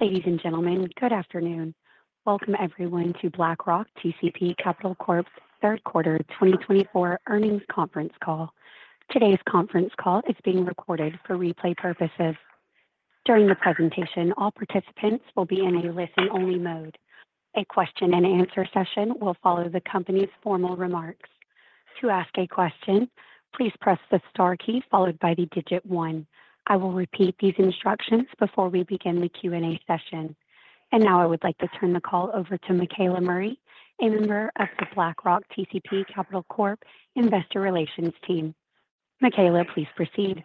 Ladies and gentlemen, good afternoon. Welcome, everyone, to BlackRock TCP Capital Corp's third quarter 2024 earnings conference call. Today's conference call is being recorded for replay purposes. During the presentation, all participants will be in a listen-only mode. A question-and-answer session will follow the company's formal remarks. To ask a question, please press the star key followed by the digit one. I will repeat these instructions before we begin the Q&A session. And now I would like to turn the call over to Michaela Murray, a member of the BlackRock TCP Capital Corp Investor Relations Team. Michaela, please proceed.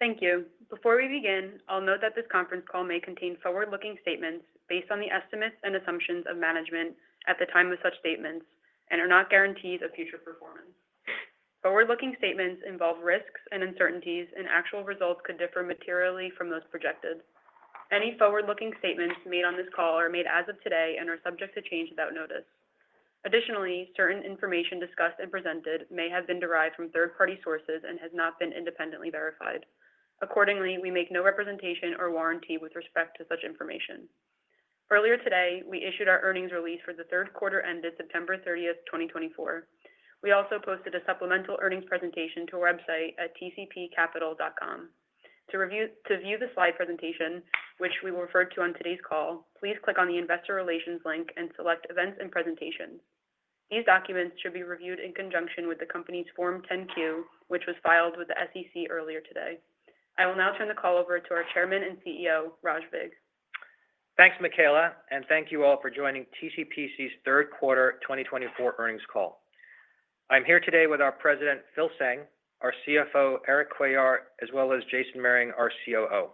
Thank you. Before we begin, I'll note that this conference call may contain forward-looking statements based on the estimates and assumptions of management at the time of such statements and are not guarantees of future performance. Forward-looking statements involve risks and uncertainties, and actual results could differ materially from those projected. Any forward-looking statements made on this call are made as of today and are subject to change without notice. Additionally, certain information discussed and presented may have been derived from third-party sources and has not been independently verified. Accordingly, we make no representation or warranty with respect to such information. Earlier today, we issued our earnings release for the third quarter ended September 30th, 2024. We also posted a supplemental earnings presentation to our website at tcpcapital.com. To view the slide presentation, which we will refer to on today's call, please click on the Investor Relations link and select Events and Presentations. These documents should be reviewed in conjunction with the company's Form 10-Q, which was filed with the SEC earlier today. I will now turn the call over to our Chairman and CEO, Raj Vig. Thanks, Michaela, and thank you all for joining TCPC's third quarter 2024 earnings call. I'm here today with our President, Phil Tseng, our CFO, Erik Cuellar, as well as Jason Mehring, our COO.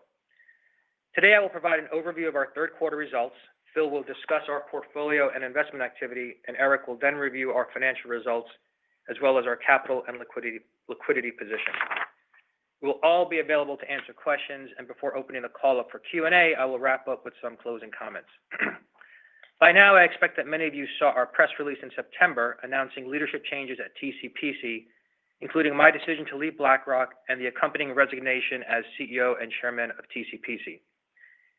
Today, I will provide an overview of our third quarter results. Phil will discuss our portfolio and investment activity, and Erik will then review our financial results as well as our capital and liquidity position. We'll all be available to answer questions, and before opening the call up for Q&A, I will wrap up with some closing comments. By now, I expect that many of you saw our press release in September announcing leadership changes at TCPC, including my decision to leave BlackRock and the accompanying resignation as CEO and Chairman of TCPC.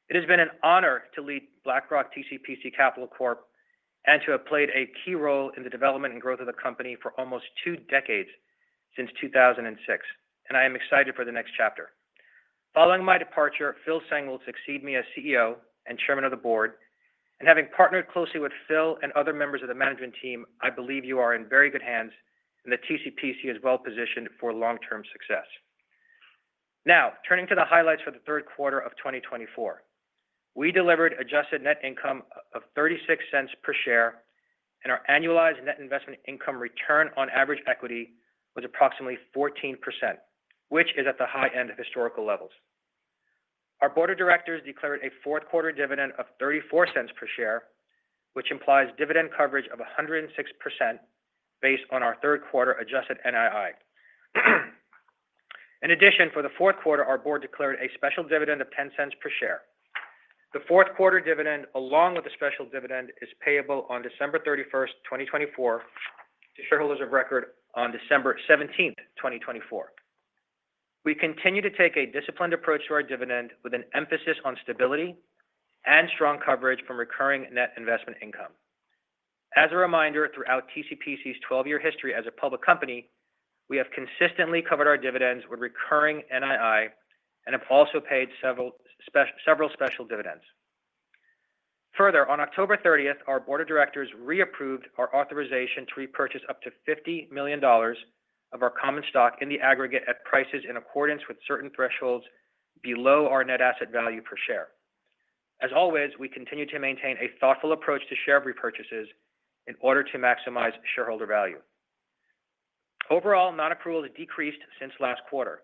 It has been an honor to lead BlackRock TCP Capital Corp and to have played a key role in the development and growth of the company for almost two decades since 2006, and I am excited for the next chapter. Following my departure, Phil Tseng will succeed me as CEO and Chairman of the Board. Having partnered closely with Phil and other members of the management team, I believe you are in very good hands, and the TCPC is well positioned for long-term success. Now, turning to the highlights for the third quarter of 2024, we delivered Adjusted Net Investment Income of $0.36 per share, and our annualized net investment income return on average equity was approximately 14%, which is at the high end of historical levels. Our board of directors declared a fourth quarter dividend of $0.34 per share, which implies dividend coverage of 106% based on our third quarter adjusted NII. In addition, for the fourth quarter, our board declared a special dividend of $0.10 per share. The fourth quarter dividend, along with the special dividend, is payable on December 31st, 2024, to shareholders of record on December 17th, 2024. We continue to take a disciplined approach to our dividend with an emphasis on stability and strong coverage from recurring net investment income. As a reminder, throughout TCPC's 12-year history as a public company, we have consistently covered our dividends with recurring NII and have also paid several special dividends. Further, on October 30th, our board of directors reapproved our authorization to repurchase up to $50 million of our common stock in the aggregate at prices in accordance with certain thresholds below our net asset value per share. As always, we continue to maintain a thoughtful approach to share repurchases in order to maximize shareholder value. Overall, Non-Accrual has decreased since last quarter.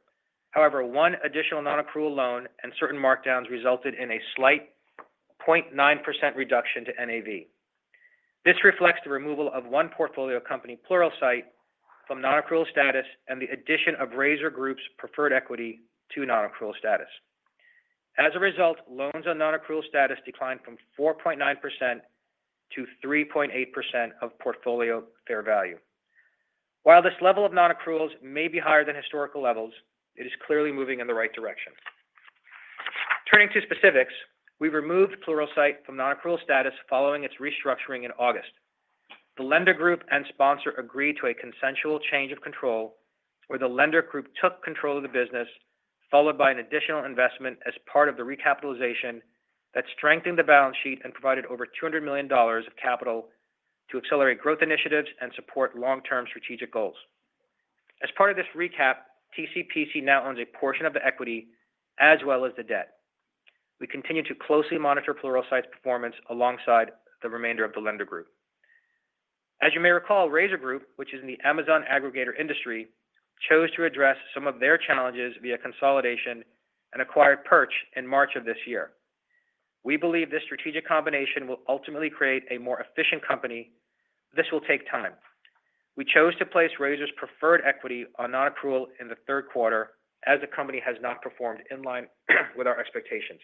However, one additional non-accrual loan and certain markdowns resulted in a slight 0.9% reduction to NAV. This reflects the removal of one portfolio company, Pluralsight, from non-accrual status and the addition of Razor Group's preferred equity to non-accrual status. As a result, loans on non-accrual status declined from 4.9% to 3.8% of portfolio fair value. While this level of non-accruals may be higher than historical levels, it is clearly moving in the right direction. Turning to specifics, we removed Pluralsight from non-accrual status following its restructuring in August. The lender group and sponsor agreed to a consensual change of control, where the lender group took control of the business, followed by an additional investment as part of the recapitalization that strengthened the balance sheet and provided over $200 million of capital to accelerate growth initiatives and support long-term strategic goals. As part of this recap, TCPC now owns a portion of the equity as well as the debt. We continue to closely monitor Pluralsight's performance alongside the remainder of the lender group. As you may recall, Razor Group, which is in the Amazon aggregator industry, chose to address some of their challenges via consolidation and acquired Perch in March of this year. We believe this strategic combination will ultimately create a more efficient company. This will take time. We chose to place Razor's preferred equity on non-accrual in the third quarter as the company has not performed in line with our expectations.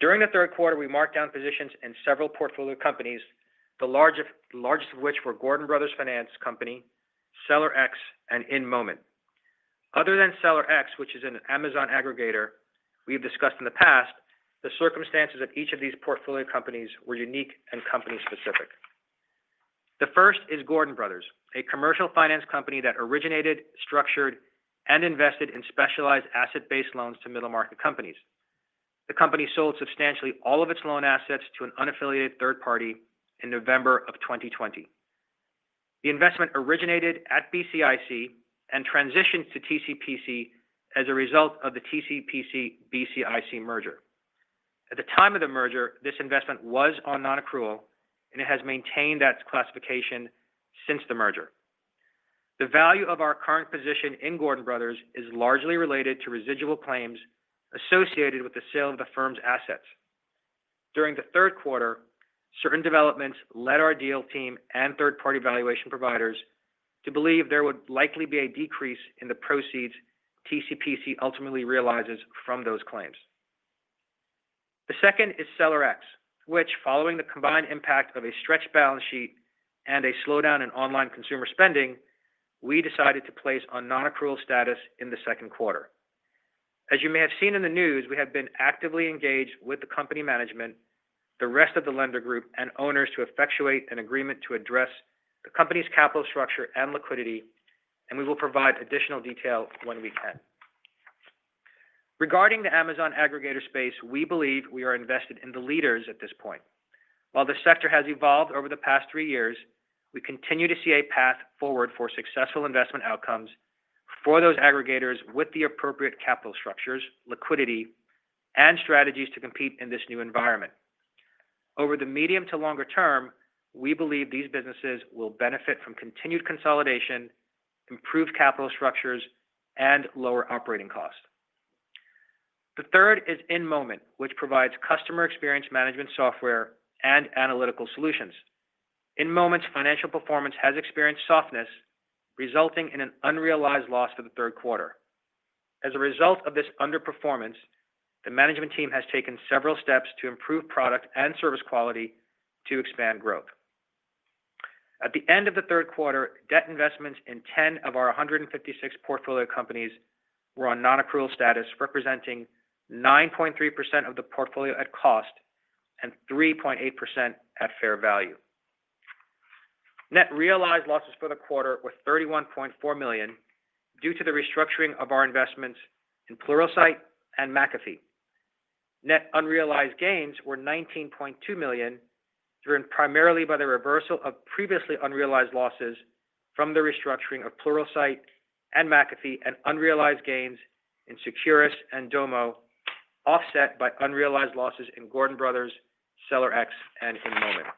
During the third quarter, we marked down positions in several portfolio companies, the largest of which were Gordon Brothers Finance Company, SellerX, and InMoment. Other than SellerX, which is an Amazon aggregator, we have discussed in the past, the circumstances of each of these portfolio companies were unique and company-specific. The first is Gordon Brothers, a commercial finance company that originated, structured, and invested in specialized asset-based loans to middle-market companies. The company sold substantially all of its loan assets to an unaffiliated third party in November of 2020. The investment originated at BCIC and transitioned to TCPC as a result of the TCPC-BCIC merger. At the time of the merger, this investment was on non-accrual, and it has maintained that classification since the merger. The value of our current position in Gordon Brothers is largely related to residual claims associated with the sale of the firm's assets. During the third quarter, certain developments led our deal team and third-party valuation providers to believe there would likely be a decrease in the proceeds TCPC ultimately realizes from those claims. The second is SellerX, which, following the combined impact of a stretched balance sheet and a slowdown in online consumer spending, we decided to place on non-accrual status in the second quarter. As you may have seen in the news, we have been actively engaged with the company management, the rest of the lender group, and owners to effectuate an agreement to address the company's capital structure and liquidity, and we will provide additional detail when we can. Regarding the Amazon aggregator space, we believe we are invested in the leaders at this point. While the sector has evolved over the past three years, we continue to see a path forward for successful investment outcomes for those aggregators with the appropriate capital structures, liquidity, and strategies to compete in this new environment. Over the medium to longer term, we believe these businesses will benefit from continued consolidation, improved capital structures, and lower operating costs. The third is InMoment, which provides customer experience management software and analytical solutions. InMoment's financial performance has experienced softness, resulting in an unrealized loss for the third quarter. As a result of this underperformance, the management team has taken several steps to improve product and service quality to expand growth. At the end of the third quarter, debt investments in 10 of our 156 portfolio companies were on non-accrual status, representing 9.3% of the portfolio at cost and 3.8% at fair value. Net realized losses for the quarter were $31.4 million due to the restructuring of our investments in Pluralsight and McAfee. Net unrealized gains were $19.2 million, driven primarily by the reversal of previously unrealized losses from the restructuring of Pluralsight and McAfee and unrealized gains in Securus and Domo, offset by unrealized losses in Gordon Brothers, SellerX, and InMoment.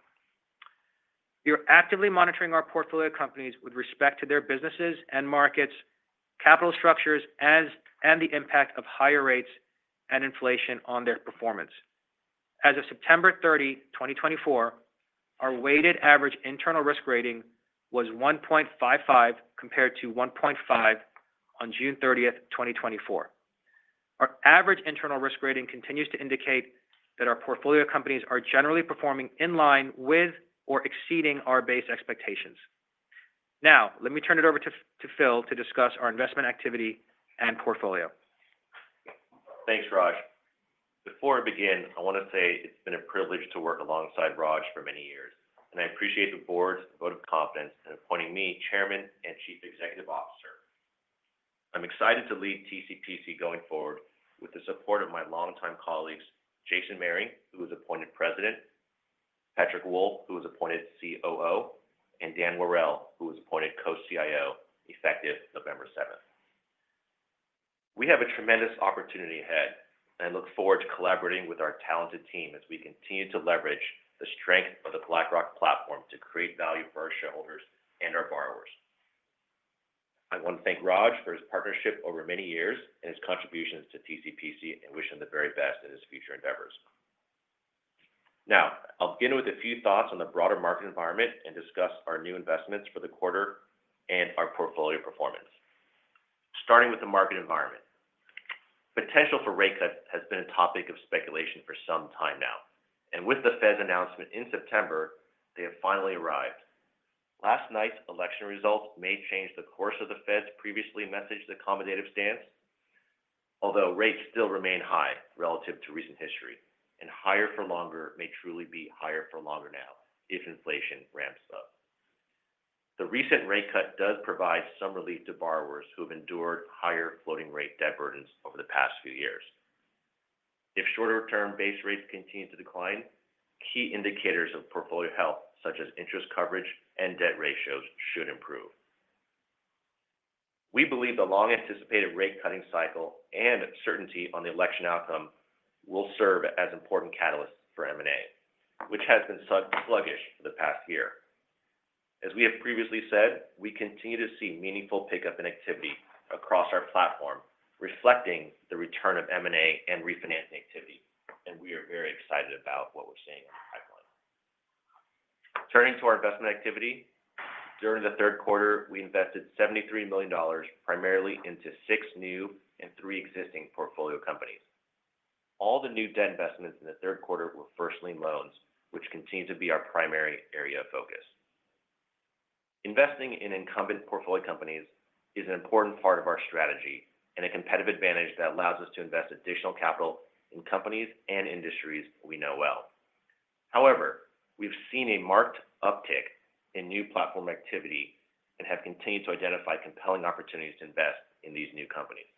We are actively monitoring our portfolio companies with respect to their businesses and markets, capital structures, and the impact of higher rates and inflation on their performance. As of September 30, 2024, our weighted average internal risk rating was 1.55 compared to 1.5 on June 30th, 2024. Our average internal risk rating continues to indicate that our portfolio companies are generally performing in line with or exceeding our base expectations. Now, let me turn it over to Phil to discuss our investment activity and portfolio. Thanks, Raj. Before I begin, I want to say it's been a privilege to work alongside Raj for many years, and I appreciate the board's vote of confidence in appointing me Chairman and Chief Executive Officer. I'm excited to lead TCPC going forward with the support of my longtime colleagues, Jason Mehring, who was appointed president, Patrick Wolff, who was appointed COO, and Dan Worrell, who was appointed Co-CIO effective November 7th. We have a tremendous opportunity ahead, and I look forward to collaborating with our talented team as we continue to leverage the strength of the BlackRock platform to create value for our shareholders and our borrowers. I want to thank Raj for his partnership over many years and his contributions to TCPC, and wish him the very best in his future endeavors. Now, I'll begin with a few thoughts on the broader market environment and discuss our new investments for the quarter and our portfolio performance. Starting with the market environment, potential for rate cuts has been a topic of speculation for some time now, and with the Fed's announcement in September, they have finally arrived. Last night's election results may change the course of the Fed's previously messaged accommodative stance, although rates still remain high relative to recent history, and higher for longer may truly be higher for longer now if inflation ramps up. The recent rate cut does provide some relief to borrowers who have endured higher floating rate debt burdens over the past few years. If shorter-term base rates continue to decline, key indicators of portfolio health, such as interest coverage and debt ratios, should improve. We believe the long-anticipated rate-cutting cycle and certainty on the election outcome will serve as important catalysts for M&A, which has been sluggish for the past year. As we have previously said, we continue to see meaningful pickup in activity across our platform, reflecting the return of M&A and refinancing activity, and we are very excited about what we're seeing in the pipeline. Turning to our investment activity, during the third quarter, we invested $73 million primarily into six new and three existing portfolio companies. All the new debt investments in the third quarter were first-lien loans, which continue to be our primary area of focus. Investing in incumbent portfolio companies is an important part of our strategy and a competitive advantage that allows us to invest additional capital in companies and industries we know well. However, we've seen a marked uptick in new platform activity and have continued to identify compelling opportunities to invest in these new companies.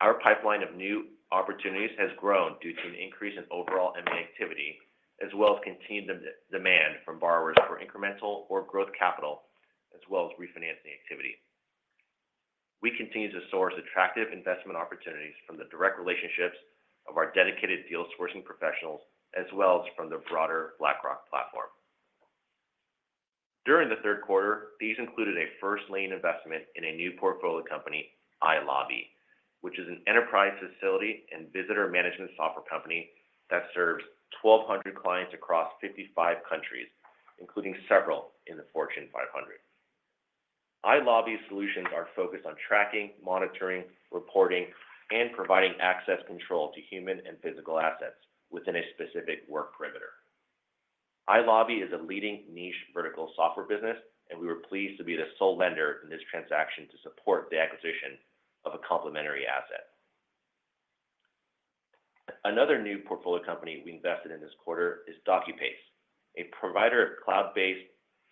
Our pipeline of new opportunities has grown due to an increase in overall M&A activity, as well as continued demand from borrowers for incremental or growth capital, as well as refinancing activity. We continue to source attractive investment opportunities from the direct relationships of our dedicated deal-sourcing professionals, as well as from the broader BlackRock platform. During the third quarter, these included a first-lien investment in a new portfolio company, iLobby, which is an enterprise facility and visitor management software company that serves 1,200 clients across 55 countries, including several in the Fortune 500. iLobby's solutions are focused on tracking, monitoring, reporting, and providing access control to human and physical assets within a specific work perimeter. iLobby is a leading niche vertical software business, and we were pleased to be the sole lender in this transaction to support the acquisition of a complementary asset. Another new portfolio company we invested in this quarter is Docupace, a provider of cloud-based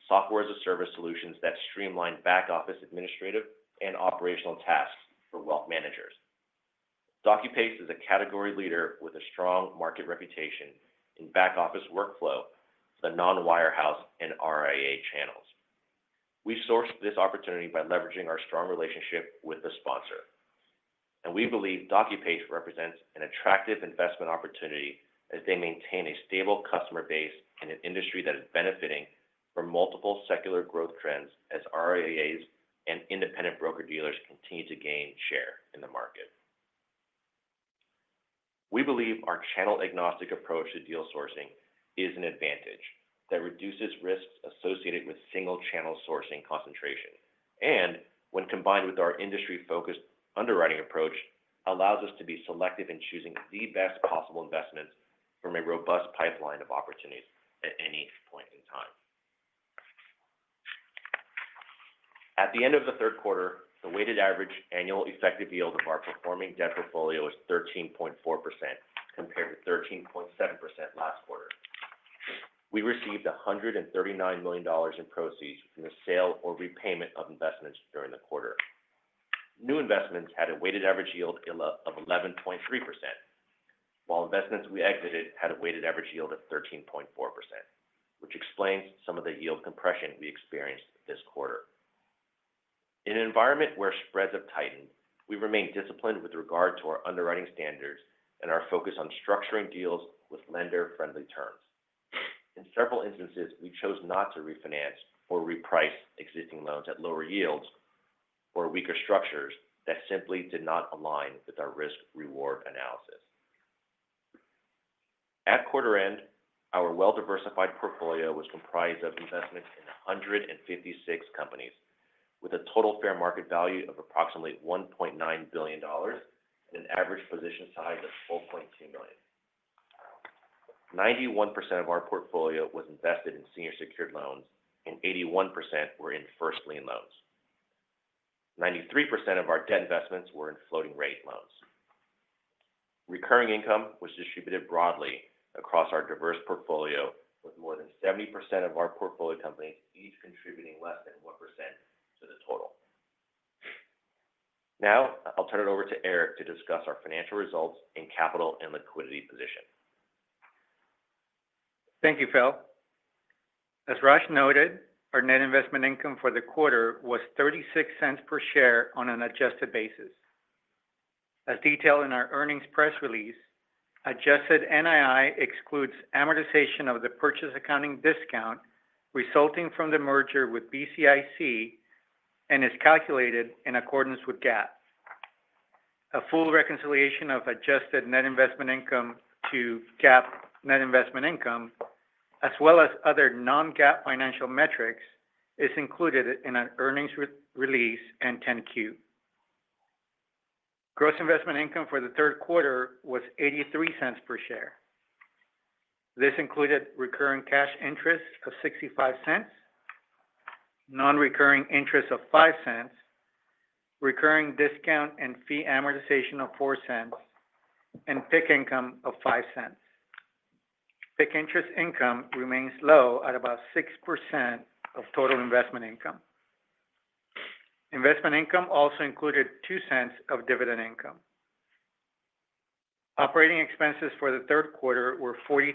software-as-a-service solutions that streamline back-office administrative and operational tasks for wealth managers. Docupace is a category leader with a strong market reputation in back-office workflow for the non-wirehouse and RIA channels. We sourced this opportunity by leveraging our strong relationship with the sponsor, and we believe Docupace represents an attractive investment opportunity as they maintain a stable customer base in an industry that is benefiting from multiple secular growth trends as RIAs and independent broker-dealers continue to gain share in the market. We believe our channel-agnostic approach to deal sourcing is an advantage that reduces risks associated with single-channel sourcing concentration, and when combined with our industry-focused underwriting approach, allows us to be selective in choosing the best possible investments from a robust pipeline of opportunities at any point in time. At the end of the third quarter, the weighted average annual effective yield of our performing debt portfolio was 13.4% compared to 13.7% last quarter. We received $139 million in proceeds from the sale or repayment of investments during the quarter. New investments had a weighted average yield of 11.3%, while investments we exited had a weighted average yield of 13.4%, which explains some of the yield compression we experienced this quarter. In an environment where spreads have tightened, we remain disciplined with regard to our underwriting standards and our focus on structuring deals with lender-friendly terms. In several instances, we chose not to refinance or reprice existing loans at lower yields or weaker structures that simply did not align with our risk-reward analysis. At quarter end, our well-diversified portfolio was comprised of investments in 156 companies, with a total fair market value of approximately $1.9 billion and an average position size of $12.2 million. 91% of our portfolio was invested in senior secured loans, and 81% were in first-lien loans. 93% of our debt investments were in floating-rate loans. Recurring income was distributed broadly across our diverse portfolio, with more than 70% of our portfolio companies each contributing less than 1% to the total. Now, I'll turn it over to Erik to discuss our financial results and capital and liquidity position. Thank you, Phil. As Raj noted, our net investment income for the quarter was $0.36 per share on an adjusted basis. As detailed in our earnings press release, adjusted NII excludes amortization of the purchase accounting discount resulting from the merger with BCIC and is calculated in accordance with GAAP. A full reconciliation of adjusted net investment income to GAAP net investment income, as well as other non-GAAP financial metrics, is included in our earnings release and 10-Q. Gross investment income for the third quarter was $0.83 per share. This included recurring cash interest of $0.65, non-recurring interest of $0.05, recurring discount and fee amortization of $0.04, and PIK income of $0.05. PIK interest income remains low at about 6% of total investment income. Investment income also included $0.02 of dividend income. Operating expenses for the third quarter were $0.43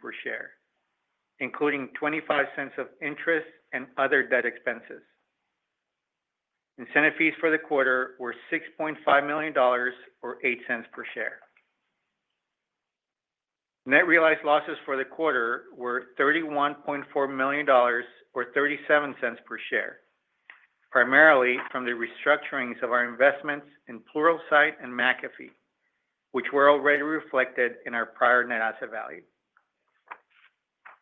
per share, including $0.25 of interest and other debt expenses. Incentive fees for the quarter were $6.5 million or $0.08 per share. Net realized losses for the quarter were $31.4 million or $0.37 per share, primarily from the restructurings of our investments in Pluralsight and McAfee, which were already reflected in our prior net asset value.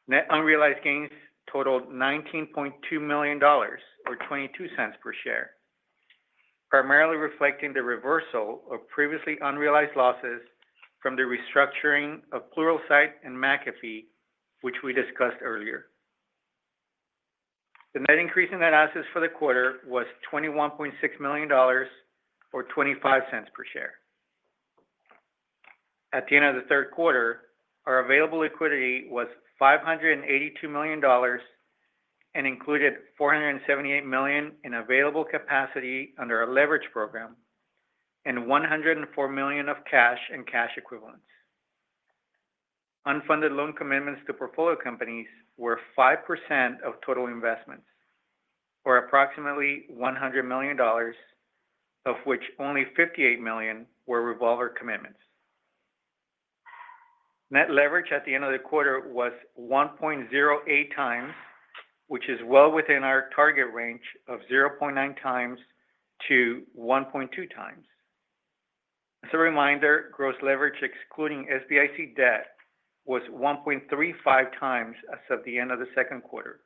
Net unrealized gains totaled $19.2 million or $0.22 per share, primarily reflecting the reversal of previously unrealized losses from the restructuring of Pluralsight and McAfee, which we discussed earlier. The net increase in net assets for the quarter was $21.6 million or $0.25 per share. At the end of the third quarter, our available liquidity was $582 million and included $478 million in available capacity under our leverage program and $104 million of cash and cash equivalents. Unfunded loan commitments to portfolio companies were 5% of total investments, or approximately $100 million, of which only $58 million were revolver commitments. Net leverage at the end of the quarter was 1.08 times, which is well within our target range of 0.9-1.2 times. As a reminder, gross leverage excluding SBIC debt was 1.35 times as of the end of the second quarter.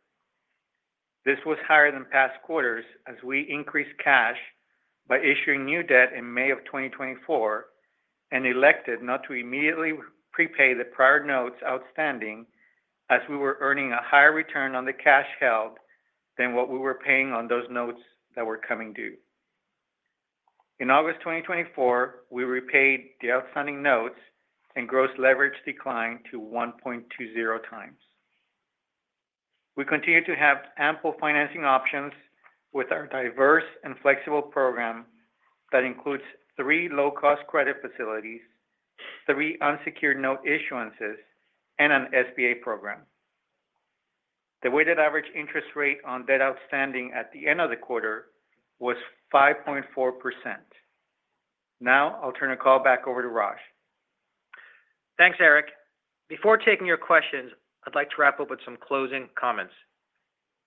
This was higher than past quarters as we increased cash by issuing new debt in May of 2024 and elected not to immediately prepay the prior notes outstanding as we were earning a higher return on the cash held than what we were paying on those notes that were coming due. In August 2024, we repaid the outstanding notes and gross leverage declined to 1.20 times. We continue to have ample financing options with our diverse and flexible program that includes three low-cost credit facilities, three unsecured note issuances, and an SBA program. The weighted average interest rate on debt outstanding at the end of the quarter was 5.4%. Now, I'll turn the call back over to Raj. Thanks, Erik. Before taking your questions, I'd like to wrap up with some closing comments.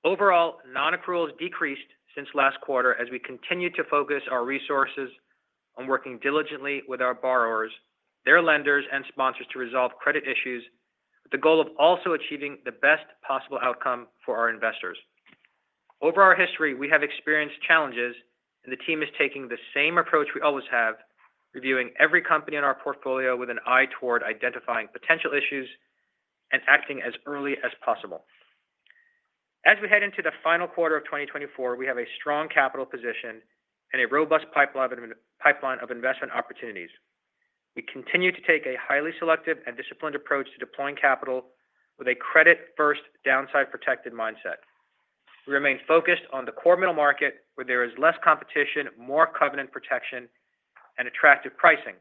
Overall, non-accruals decreased since last quarter as we continue to focus our resources on working diligently with our borrowers, their lenders, and sponsors to resolve credit issues with the goal of also achieving the best possible outcome for our investors. Over our history, we have experienced challenges, and the team is taking the same approach we always have, reviewing every company in our portfolio with an eye toward identifying potential issues and acting as early as possible. As we head into the final quarter of 2024, we have a strong capital position and a robust pipeline of investment opportunities. We continue to take a highly selective and disciplined approach to deploying capital with a credit-first, downside-protected mindset. We remain focused on the core middle market, where there is less competition, more covenant protection, and attractive pricing.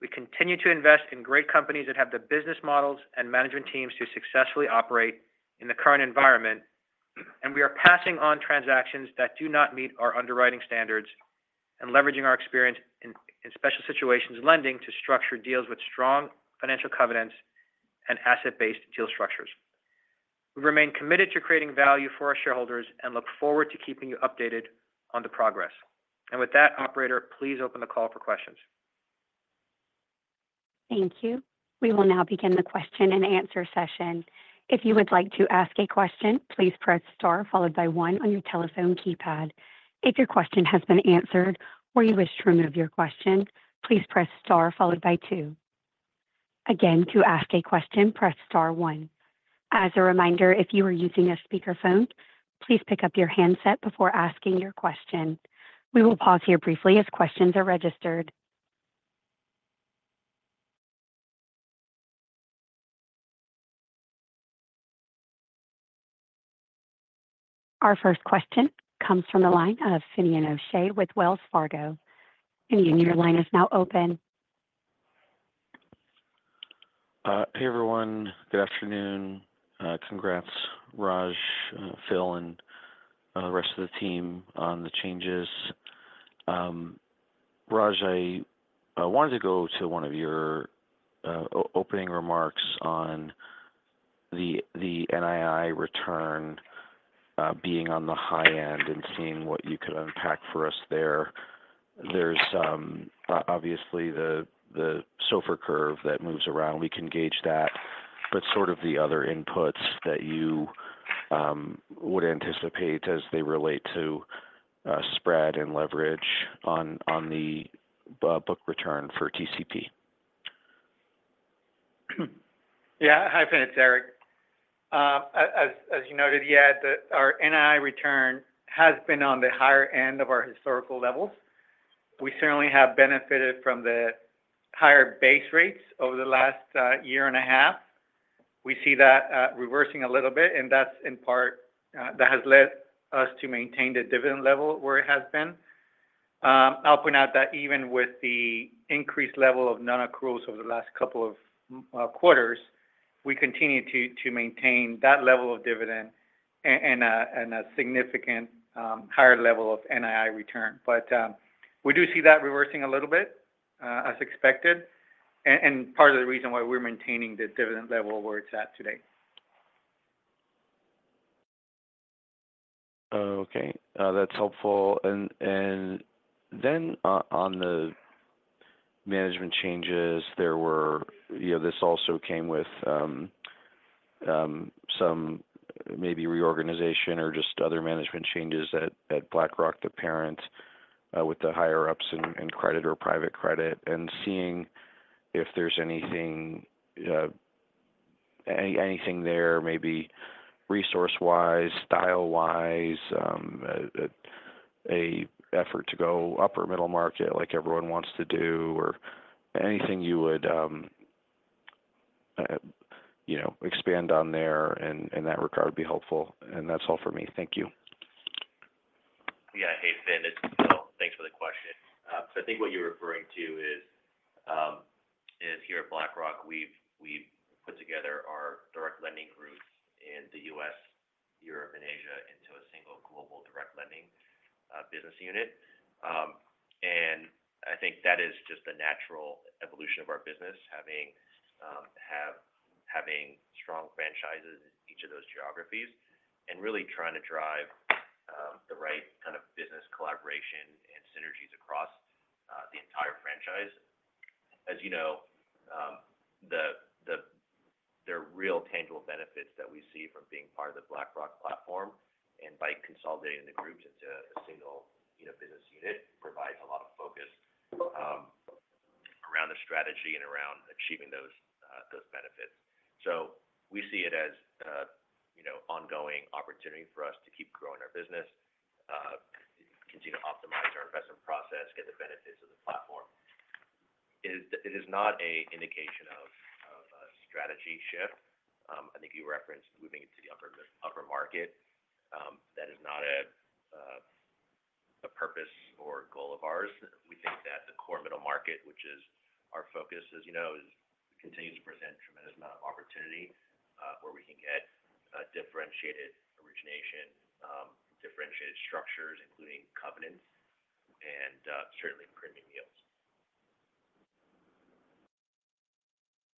We continue to invest in great companies that have the business models and management teams to successfully operate in the current environment, and we are passing on transactions that do not meet our underwriting standards and leveraging our experience in special situations lending to structure deals with strong financial covenants and asset-based deal structures. We remain committed to creating value for our shareholders and look forward to keeping you updated on the progress and with that, Operator, please open the call for questions. Thank you. We will now begin the question-and-answer session. If you would like to ask a question, please press star followed by one on your telephone keypad. If your question has been answered or you wish to remove your question, please press star followed by two. Again, to ask a question, press star one. As a reminder, if you are using a speakerphone, please pick up your handset before asking your question. We will pause here briefly as questions are registered. Our first question comes from the line of Finian O'Shea with Wells Fargo. Finney, your line is now open. Hey, everyone. Good afternoon. Congrats, Raj, Phil, and the rest of the team on the changes. Raj, I wanted to go to one of your opening remarks on the NII return being on the high end and seeing what you could unpack for us there. There's obviously the SOFR curve that moves around. We can gauge that, but sort of the other inputs that you would anticipate as they relate to spread and leverage on the book return for TCP. Yeah, hi, Finian, it's Erik. As you noted, yeah, our NII return has been on the higher end of our historical levels. We certainly have benefited from the higher base rates over the last year and a half. We see that reversing a little bit, and that's in part that has led us to maintain the dividend level where it has been. I'll point out that even with the increased level of non-accruals over the last couple of quarters, we continue to maintain that level of dividend and a significant higher level of NII return. But we do see that reversing a little bit, as expected, and part of the reason why we're maintaining the dividend level where it's at today. Okay. That's helpful. And then on the management changes, there were. This also came with some maybe reorganization or just other management changes that BlackRock, the parent, with the higher-ups in credit or private credit, and seeing if there's anything there, maybe resource-wise, style-wise, an effort to go upper-middle market like everyone wants to do, or anything you would expand on there in that regard would be helpful. And that's all for me. Thank you. Yeah. Hey, Finian, thanks for the question. So I think what you're referring to is here at BlackRock, we've put together our direct lending groups in the U.S., Europe, and Asia into a single global direct lending business unit. And I think that is just the natural evolution of our business, having strong franchises in each of those geographies and really trying to drive the right kind of business collaboration and synergies across the entire franchise. As you know, there are real tangible benefits that we see from being part of the BlackRock platform, and by consolidating the groups into a single business unit, it provides a lot of focus around the strategy and around achieving those benefits. So we see it as an ongoing opportunity for us to keep growing our business, continue to optimize our investment process, get the benefits of the platform. It is not an indication of a strategy shift. I think you referenced moving into the upper market. That is not a purpose or goal of ours. We think that the core middle market, which is our focus, as you know, continues to present a tremendous amount of opportunity where we can get differentiated origination, differentiated structures, including covenants, and certainly premium yields.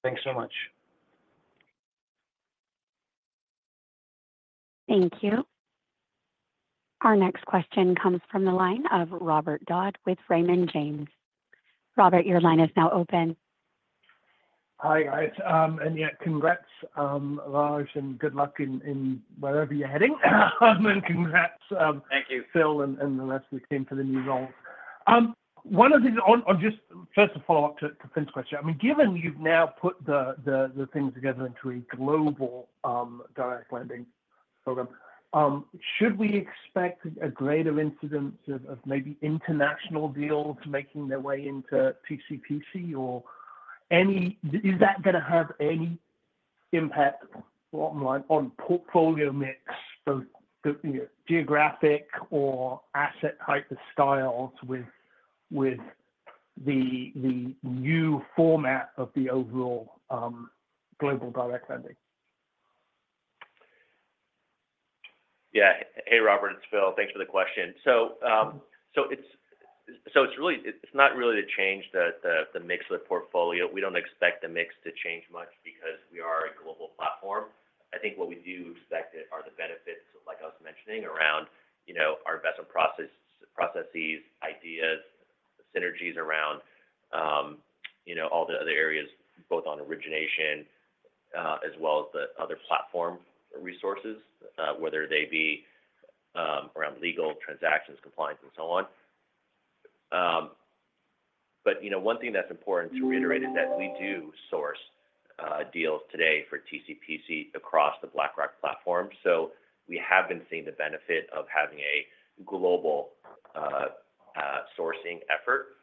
Thanks so much. Thank you. Our next question comes from the line of Robert Dodd with Raymond James. Robert, your line is now open. Hi, guys. And yeah, congrats, Raj, and good luck in wherever you're heading. And congrats. Thank you. Phil and the rest of the team for the new roles. One of the things I'll just first of all, to Finney's question, I mean, given you've now put the things together into a global direct lending program, should we expect a greater incidence of maybe international deals making their way into TCPC, or is that going to have any impact on portfolio mix, both geographic or asset type styles with the new format of the overall global direct lending? Yeah. Hey, Robert, it's Phil. Thanks for the question. So it's not really to change the mix of the portfolio. We don't expect the mix to change much because we are a global platform. I think what we do expect are the benefits, like I was mentioning, around our investment processes, ideas, synergies around all the other areas, both on origination as well as the other platform resources, whether they be around legal transactions, compliance, and so on. But one thing that's important to reiterate is that we do source deals today for TCPC across the BlackRock platform. So we have been seeing the benefit of having a global sourcing effort.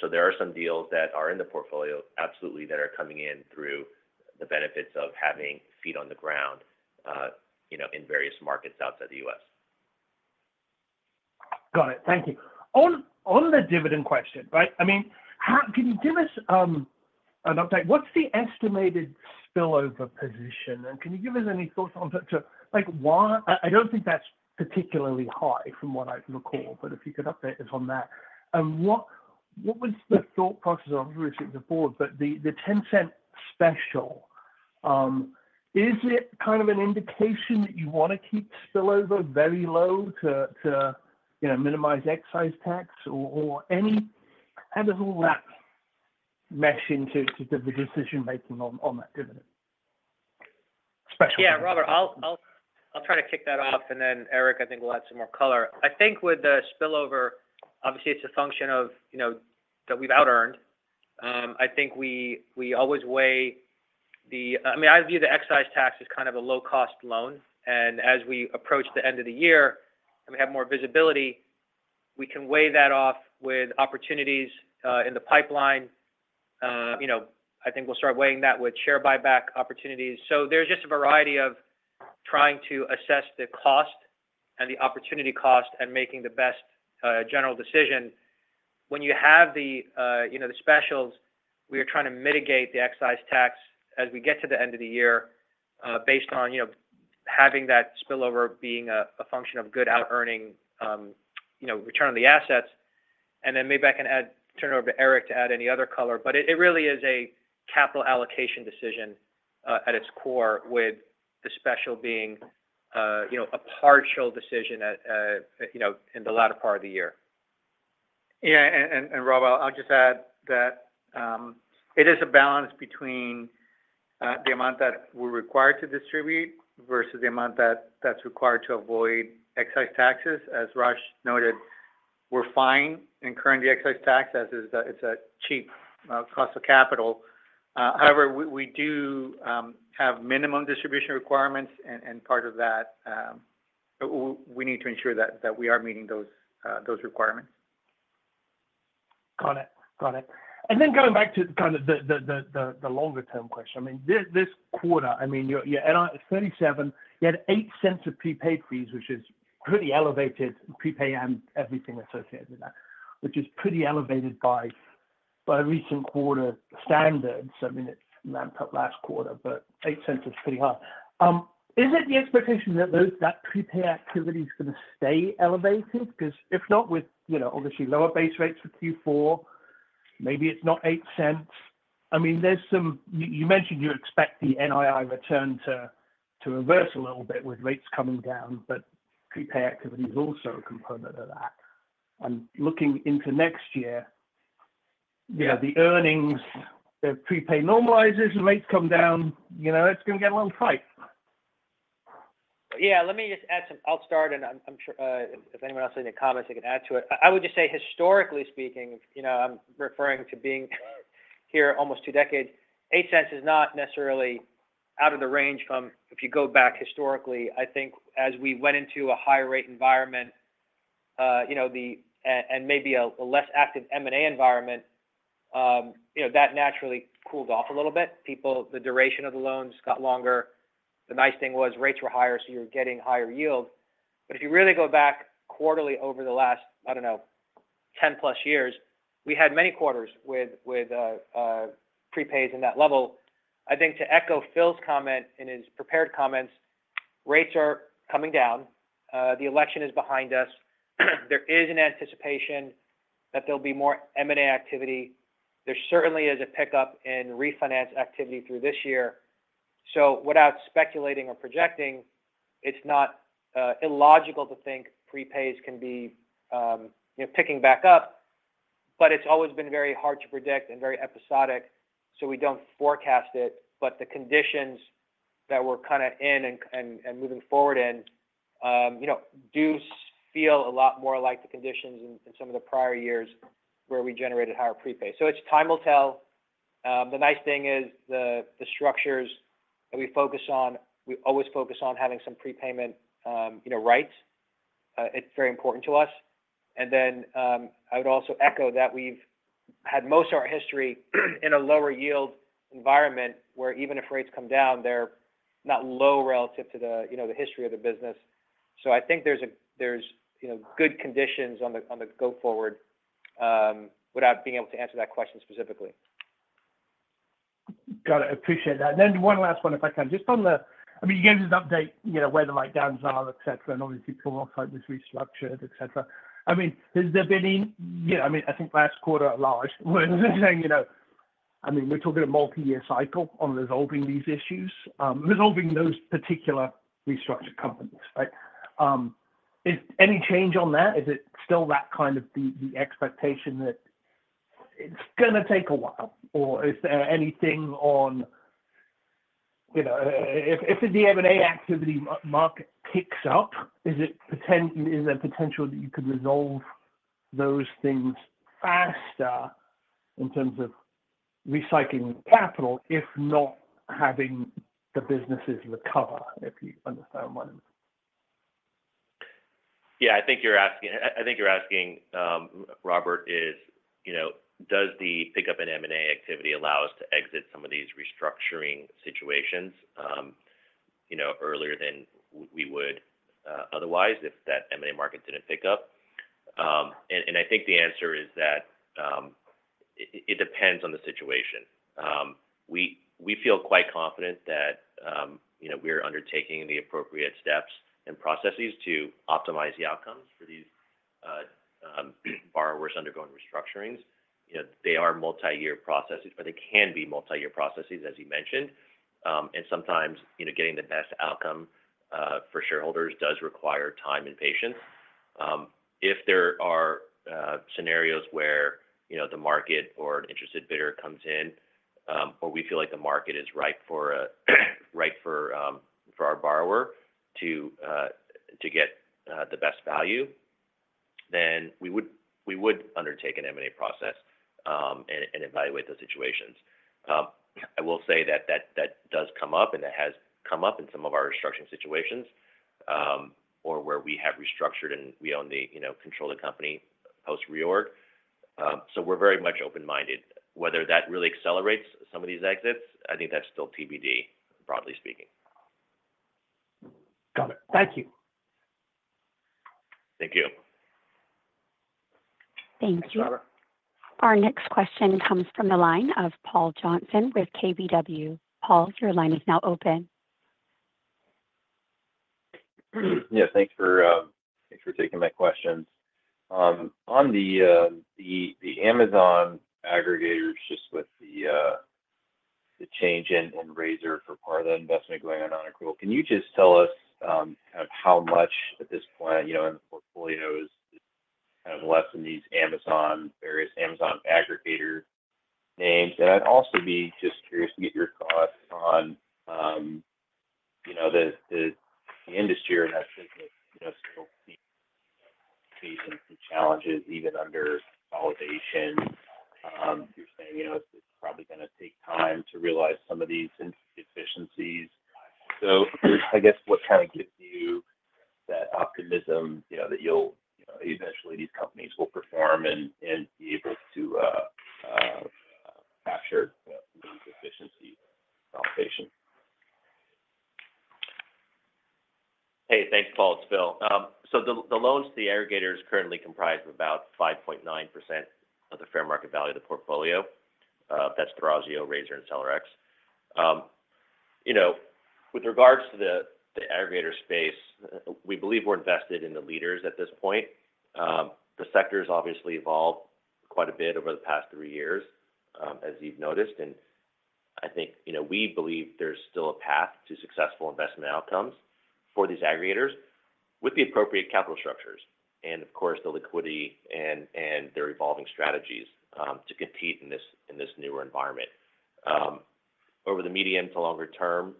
So there are some deals that are in the portfolio, absolutely, that are coming in through the benefits of having feet on the ground in various markets outside the US. Got it. Thank you. On the dividend question, right, I mean, can you give us an update? What's the estimated spillover position? And can you give us any thoughts on why? I don't think that's particularly high from what I recall, but if you could update us on that. And what was the thought process of the board? But the $0.10 special, is it kind of an indication that you want to keep spillover very low to minimize excise tax? How does all that mesh into the decision-making on that dividend special? Yeah, Robert, I'll try to kick that off, and then Erik, I think we'll add some more color. I think with the spillover, obviously, it's a function of that we've out-earned. I think we always weigh the, I mean, I view the excise tax as kind of a low-cost loan. And as we approach the end of the year and we have more visibility, we can weigh that off with opportunities in the pipeline. I think we'll start weighing that with share buyback opportunities. So there's just a variety of trying to assess the cost and the opportunity cost and making the best general decision. When you have the specials, we are trying to mitigate the excise tax as we get to the end of the year based on having that spillover being a function of good out-earning return on the assets. And then maybe I can turn it over to Erik to add any other color, but it really is a capital allocation decision at its core, with the special being a partial decision in the latter part of the year. Yeah. And Robert, I'll just add that it is a balance between the amount that we're required to distribute versus the amount that's required to avoid excise taxes. As Raj noted, we're fine incurring the excise tax as it's a cheap cost of capital. However, we do have minimum distribution requirements, and part of that, we need to ensure that we are meeting those requirements. Got it. Got it. And then going back to kind of the longer-term question, I mean, this quarter, I mean, you're at 37, you had $0.08 of prepaid fees, which is pretty elevated, prepay and everything associated with that, which is pretty elevated by recent quarter standards. I mean, it's ramped up last quarter, but $0.08 is pretty high. Is it the expectation that that prepay activity is going to stay elevated? Because if not, with obviously lower base rates for Q4, maybe it's not $0.08. I mean, you mentioned you expect the NII return to reverse a little bit with rates coming down, but prepay activity is also a component of that, and looking into next year, the earnings, the prepay normalizes, and rates come down, it's going to get a little tight. Yeah. Let me just add some, I'll start, and if anyone else has any comments, they can add to it. I would just say, historically speaking, I'm referring to being here almost two decades, $0.08 is not necessarily out of the range from if you go back historically. I think as we went into a higher-rate environment and maybe a less active M&A environment, that naturally cooled off a little bit. The duration of the loans got longer. The nice thing was rates were higher, so you were getting higher yield. But if you really go back quarterly over the last, I don't know, 10-plus years, we had many quarters with prepays in that level. I think to echo Phil's comment in his prepared comments, rates are coming down. The election is behind us. There is an anticipation that there'll be more M&A activity. There certainly is a pickup in refinance activity through this year. So without speculating or projecting, it's not illogical to think prepays can be picking back up, but it's always been very hard to predict and very episodic, so we don't forecast it. But the conditions that we're kind of in and moving forward in do feel a lot more like the conditions in some of the prior years where we generated higher prepays. So, time will tell. The nice thing is the structures that we focus on, we always focus on having some prepayment rights. It's very important to us. And then I would also echo that we've had most of our history in a lower-yield environment where even if rates come down, they're not low relative to the history of the business. So, I think there's good conditions on the go-forward without being able to answer that question specifically. Got it. Appreciate that. And then one last one, if I can, just on the, I mean, you gave us an update where the lockdowns are, etc., and obviously, people will also have this restructured, etc. I mean, has there been any, I mean, I think last quarter, at large, we're saying, I mean, we're talking a multi-year cycle on resolving these issues, resolving those particular restructured companies, right? Any change on that? Is it still that kind of the expectation that it's going to take a while? Or is there anything on, if the M&A activity market picks up, is there a potential that you could resolve those things faster in terms of recycling capital if not having the businesses recover, if you understand what I mean? Yeah. I think you're asking, I think you're asking, Robert, is does the pickup in M&A activity allow us to exit some of these restructuring situations earlier than we would otherwise if that M&A market didn't pick up? And I think the answer is that it depends on the situation. We feel quite confident that we're undertaking the appropriate steps and processes to optimize the outcomes for these borrowers undergoing restructurings. They are multi-year processes, but they can be multi-year processes, as you mentioned. And sometimes getting the best outcome for shareholders does require time and patience. If there are scenarios where the market or an interested bidder comes in, or we feel like the market is ripe for our borrower to get the best value, then we would undertake an M&A process and evaluate those situations. I will say that that does come up, and that has come up in some of our restructuring situations or where we have restructured and we only control the company post-reorg. So we're very much open-minded. Whether that really accelerates some of these exits, I think that's still TBD, broadly speaking. Got it. Thank you. Thank you. Thank you. Our next question comes from the line of Paul Johnson with KBW. Paul, your line is now open. Yeah. Thanks for taking my questions. On the Amazon aggregators, just with the change in Razor for part of the investment going on in accrual, can you just tell us kind of how much at this point in the portfolio is kind of left in these Amazon, various Amazon aggregator names? And I'd also be just curious to get your thoughts on the industry or that business still seeing some challenges even under consolidation? You're saying it's probably going to take time to realize some of these efficiencies. So I guess what kind of gives you that optimism that eventually these companies will perform and be able to capture these efficiencies in consolidation? Hey, thanks, Paul. It's Phil. So the loans to the aggregators currently comprise about 5.9% of the fair market value of the portfolio. That's for Thrasio, Razor, and SellerX. With regards to the aggregator space, we believe we're invested in the leaders at this point. The sector has obviously evolved quite a bit over the past three years, as you've noticed. And I think we believe there's still a path to successful investment outcomes for these aggregators with the appropriate capital structures and, of course, the liquidity and their evolving strategies to compete in this newer environment. Over the medium to longer term,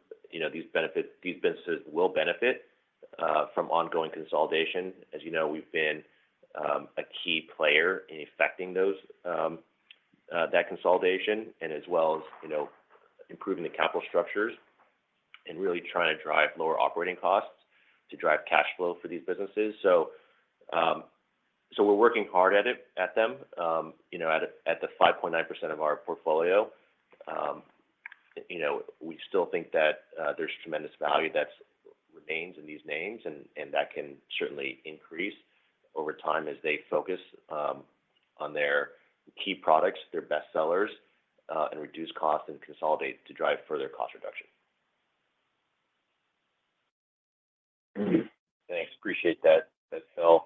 these businesses will benefit from ongoing consolidation. As you know, we've been a key player in affecting that consolidation and as well as improving the capital structures and really trying to drive lower operating costs to drive cash flow for these businesses. So we're working hard at them. At the 5.9% of our portfolio, we still think that there's tremendous value that remains in these names, and that can certainly increase over time as they focus on their key products, their best sellers, and reduce costs and consolidate to drive further cost reduction. Thanks. Appreciate that, Phil.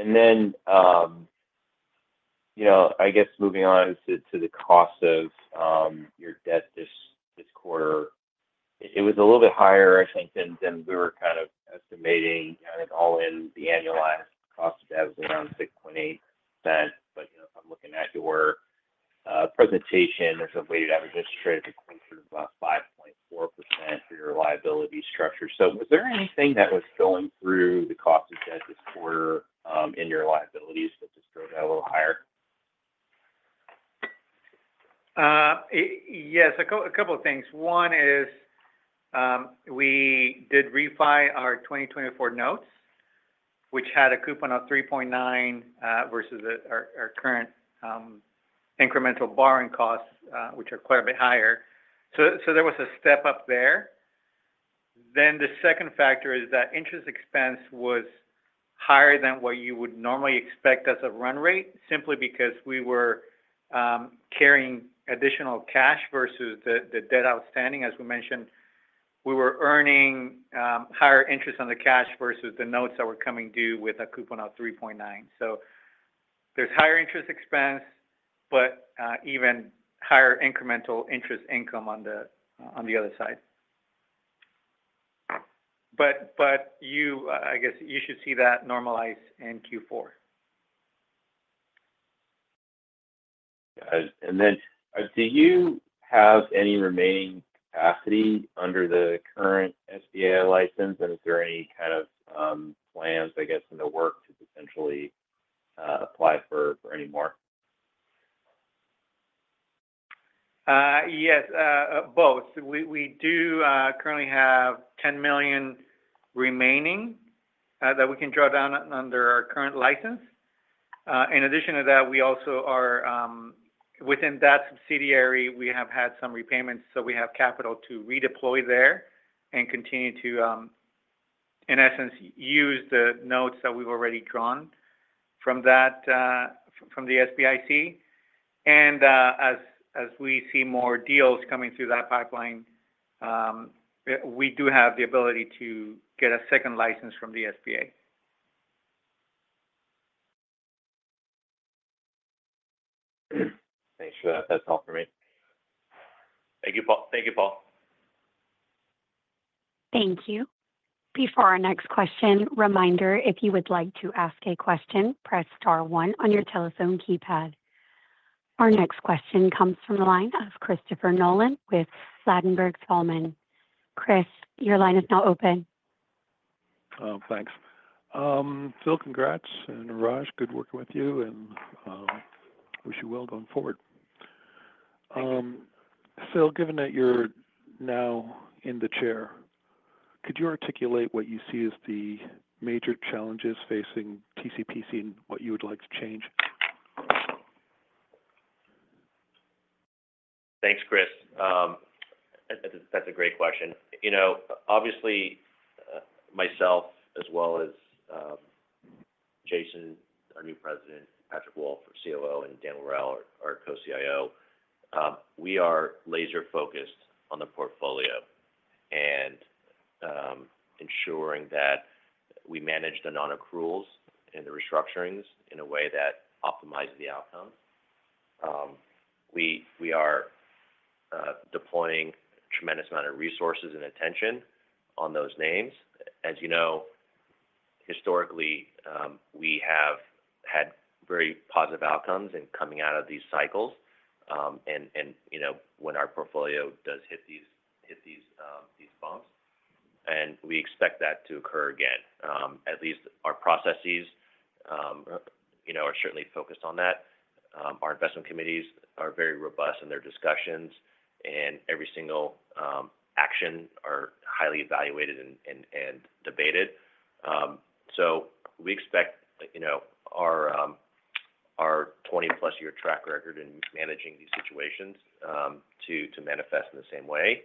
And then I guess moving on to the cost of your debt this quarter, it was a little bit higher, I think, than we were kind of estimating. I think all in, the annualized cost of debt was around 6.8%. But if I'm looking at your presentation, there's a weighted average interest rate of 5.4% for your liability structure. So was there anything that was going through the cost of debt this quarter in your liabilities that just drove that a little higher? Yes. A couple of things. One is we did refi our 2024 notes, which had a coupon of 3.9% versus our current incremental borrowing costs, which are quite a bit higher. So there was a step up there. Then the second factor is that interest expense was higher than what you would normally expect as a run rate simply because we were carrying additional cash versus the debt outstanding. As we mentioned, we were earning higher interest on the cash versus the notes that were coming due with a coupon of 3.9%. So there's higher interest expense, but even higher incremental interest income on the other side. But I guess you should see that normalize in Q4. And then do you have any remaining capacity under the current SBA license? And is there any kind of plans, I guess, in the works to potentially apply for any more? Yes. Both. We do currently have $10 million remaining that we can draw down under our current license. In addition to that, we also are within that subsidiary, we have had some repayments, so we have capital to redeploy there and continue to, in essence, use the notes that we've already drawn from the SBIC, and as we see more deals coming through that pipeline, we do have the ability to get a second license from the SBA. Thanks for that. That's all for me. Thank you, Paul. Thank you. Before our next question, reminder, if you would like to ask a question, press star one on your telephone keypad. Our next question comes from the line of Christopher Nolan with Ladenburg Thalmann. Chris, your line is now open. Thanks. Phil, congrats, and Raj, good working with you, and wish you well going forward. Phil, given that you're now in the chair, could you articulate what you see as the major challenges facing TCPC and what you would like to change? Thanks, Chris. That's a great question. Obviously, myself as well as Jason, our new president, Patrick Wolf, COO, and Dan Worrell, our co-CIO, we are laser-focused on the portfolio and ensuring that we manage the non-accruals and the restructurings in a way that optimizes the outcomes. We are deploying a tremendous amount of resources and attention on those names. As you know, historically, we have had very positive outcomes in coming out of these cycles and when our portfolio does hit these bumps. And we expect that to occur again. At least our processes are certainly focused on that. Our investment committees are very robust in their discussions, and every single action is highly evaluated and debated. So we expect our 20-plus-year track record in managing these situations to manifest in the same way.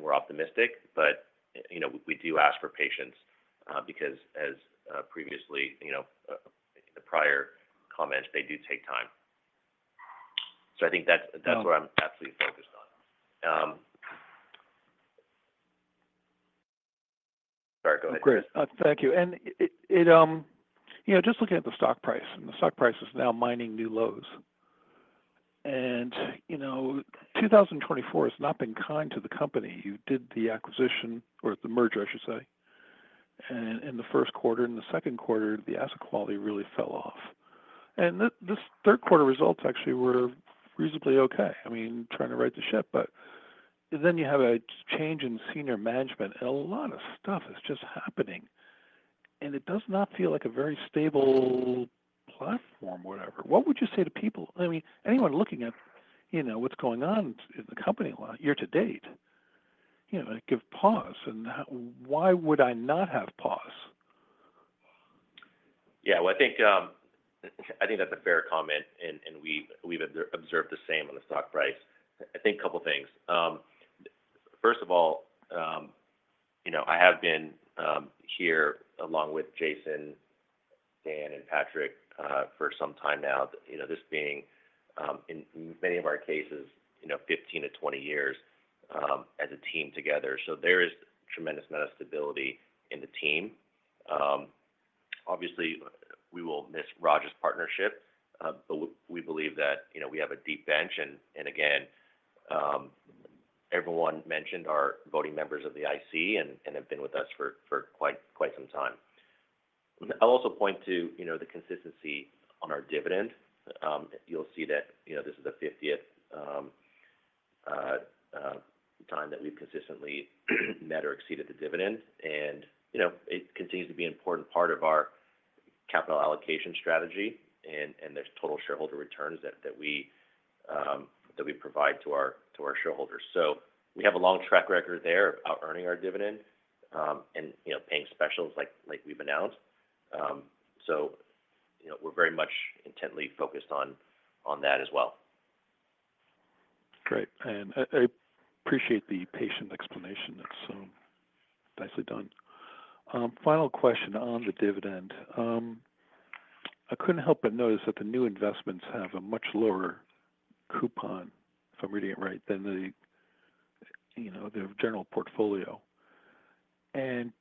We're optimistic, but we do ask for patience because, as previously, in the prior comments, they do take time. So I think that's where I'm absolutely focused on. Sorry, go ahead. Chris, thank you. Just looking at the stock price, and the stock price is now hitting new lows. 2024 has not been kind to the company. You did the acquisition or the merger, I should say, in the first quarter. In the second quarter, the asset quality really fell off. This third quarter results actually were reasonably okay. I mean, trying to right the ship, but then you have a change in senior management, and a lot of stuff is just happening. It does not feel like a very stable platform, whatever. What would you say to people? I mean, anyone looking at what's going on in the company year to date give pause. Why would I not have pause? Yeah. Well, I think that's a fair comment, and we've observed the same on the stock price. I think a couple of things. First of all, I have been here along with Jason, Dan, and Patrick for some time now, this being, in many of our cases, 15-20 years as a team together. So there is a tremendous amount of stability in the team. Obviously, we will miss Raj's partnership, but we believe that we have a deep bench. And again, everyone mentioned are voting members of the IC and have been with us for quite some time. I'll also point to the consistency on our dividend. You'll see that this is the 50th time that we've consistently met or exceeded the dividend. And it continues to be an important part of our capital allocation strategy, and there's total shareholder returns that we provide to our shareholders. So we have a long track record there of earning our dividend and paying specials like we've announced. So we're very much intently focused on that as well. Great. And I appreciate the patient explanation. That's nicely done. Final question on the dividend. I couldn't help but notice that the new investments have a much lower coupon, if I'm reading it right, than their general portfolio. And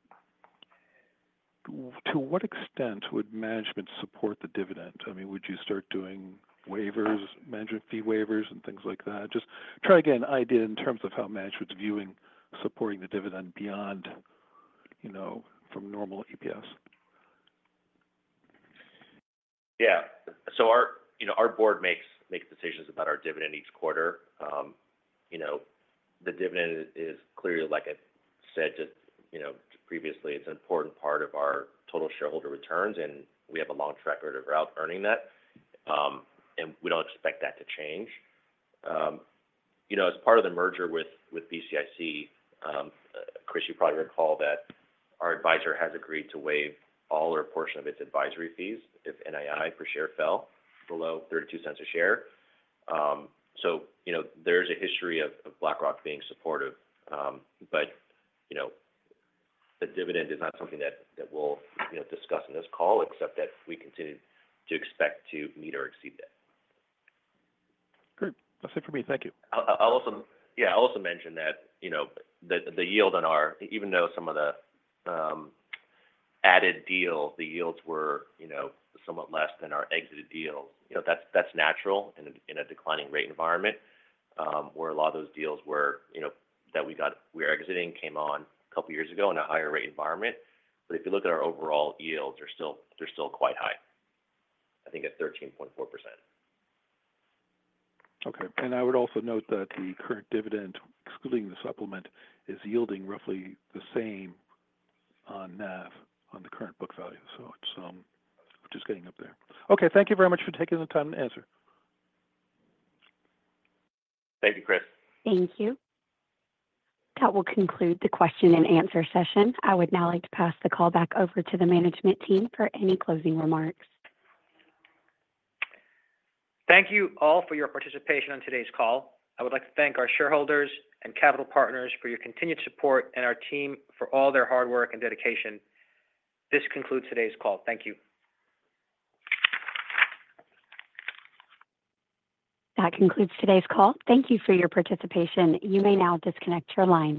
to what extent would management support the dividend? I mean, would you start doing waivers, management fee waivers, and things like that? Just trying to get an idea in terms of how management's viewing supporting the dividend beyond normal EPS. Yeah. So our board makes decisions about our dividend each quarter. The dividend is clearly, like I said previously, it's an important part of our total shareholder returns, and we have a long track record of earning that. And we don't expect that to change. As part of the merger with BCIC, Chris, you probably recall that our advisor has agreed to waive all or a portion of its advisory fees if NII per share fell below $0.32 a share. So there's a history of BlackRock being supportive, but the dividend is not something that we'll discuss in this call, except that we continue to expect to meet or exceed that. Good. That's it for me. Thank you. Yeah. I'll also mention that the yield on our even though some of the added deals, the yields were somewhat less than our exited deals, that's natural in a declining rate environment where a lot of those deals that we were exiting came on a couple of years ago in a higher rate environment. But if you look at our overall yields, they're still quite high, I think at 13.4%. Okay. And I would also note that the current dividend, excluding the supplement, is yielding roughly the same on NAV on the current book value. So it's just getting up there. Okay. Thank you very much for taking the time to answer. Thank you, Chris. Thank you. That will conclude the question and answer session. I would now like to pass the call back over to the management team for any closing remarks. Thank you all for your participation on today's call. I would like to thank our shareholders and capital partners for your continued support and our team for all their hard work and dedication. This concludes today's call. Thank you. That concludes today's call. Thank you for your participation. You may now disconnect your line.